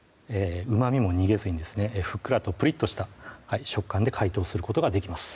うまみも逃げずにですねふっくらとプリッとした食感で解凍することができます